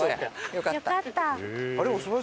よかった。